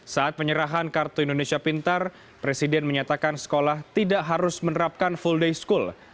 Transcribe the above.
saat penyerahan kartu indonesia pintar presiden menyatakan sekolah tidak harus menerapkan full day school